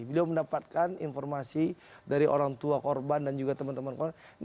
beliau mendapatkan informasi dari orang tua korban dan juga teman teman korban